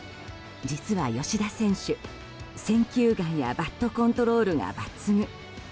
実は吉田選手、選球眼やバットコントロールが抜群。